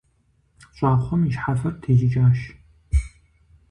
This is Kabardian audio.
ЩӀакхъуэм и щхьэфэр тежьыкӀащ.